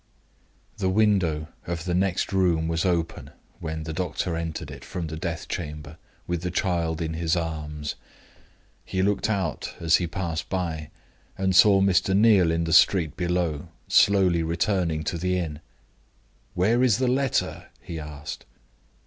The window of the next room was open, when the doctor entered it from the death chamber, with the child in his arms. He looked out as he passed by, and saw Mr. Neal in the street below, slowly returning to the inn. "Where is the letter?" he asked.